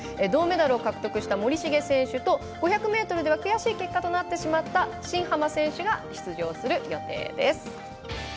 銅メダルを獲得した森重選手と５００ｍでは悔しい結果となってしまった新濱選手が出場する予定です。